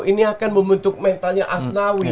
ini akan membentuk mentalnya asnawi